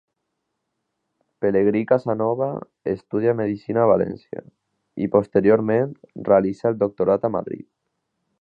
Pelegrí Casanova estudia medicina a València, i posteriorment realitza el doctorat a Madrid.